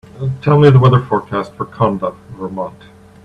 Tell me the weather forecast for Conda, Vermont